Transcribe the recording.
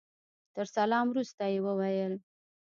تر سلام وروسته يې وويل.